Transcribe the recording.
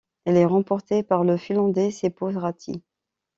Elle est remportée par le Finlandais Seppo Räty.